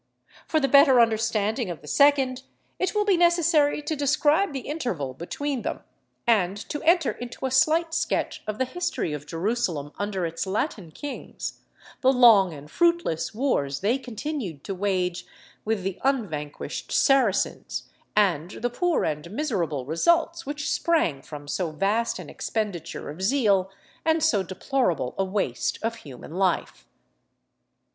For the better understanding of the second, it will be necessary to describe the interval between them, and to enter into a slight sketch of the history of Jerusalem under its Latin kings, the long and fruitless wars they continued to wage with the unvanquished Saracens, and the poor and miserable results which sprang from so vast an expenditure of zeal, and so deplorable a waste of human life. [Illustration: JERUSALEM.